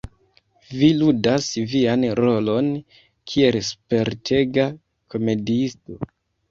Vi ludas vian rolon kiel spertega komediisto.